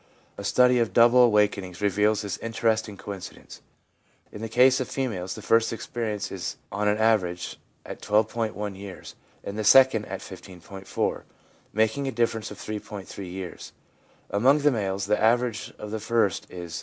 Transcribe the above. A study of double awaken ings reveals this interesting coincidence : in the case of females, the first experience is, on an average, at 12.1 years, and the second at 15.4, making a difference of 3.3 years. Among the males the average of the first is 13.